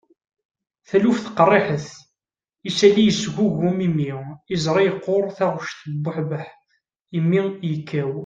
taluft qerriḥet, isalli yesgugum imi, iẓri yeqquṛ, taɣect tebbuḥbeḥ, imi yekkaw